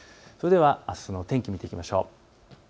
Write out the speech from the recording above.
それではあすの天気を見ていきましょう。